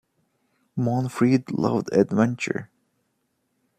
Monfreid loved adventure.